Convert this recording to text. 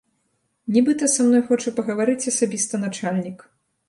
Нібыта, са мной хоча пагаварыць асабіста начальнік.